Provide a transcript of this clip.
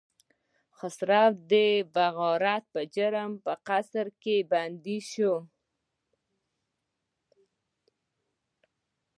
خسرو د بغاوت په جرم په قصر کې بندي شو.